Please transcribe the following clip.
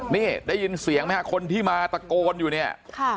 นี่ได้ยินเสียงไหมฮะคนที่มาตะโกนอยู่เนี่ย